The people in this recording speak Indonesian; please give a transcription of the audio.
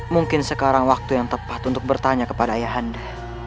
mungkin sekarang waktu yang tepat untuk bertanya kepada ayah anda